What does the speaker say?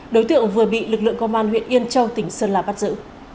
đối tượng vừa bị lực lượng công an huyện yên châu tỉnh sơn la bắt giữ